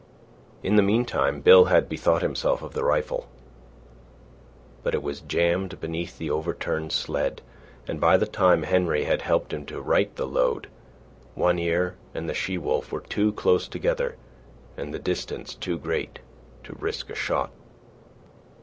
In the meantime, Bill had bethought himself of the rifle. But it was jammed beneath the overturned sled, and by the time Henry had helped him to right the load, One Ear and the she wolf were too close together and the distance too great to risk a shot.